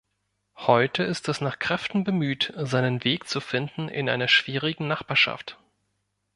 Heute ist es nach Kräften bemüht, seinen Weg zu finden in einer schwierigen Nachbarschaft.